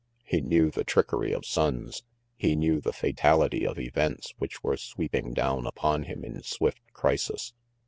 He knew the trickery of Sonnes. He knew the fatality of events which were sweeping down upon him in swift crisis.